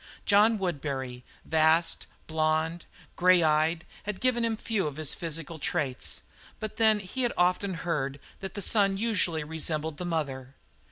John Woodbury, vast, blond, grey eyed, had given him few of his physical traits. But then he had often heard that the son usually resembled the mother.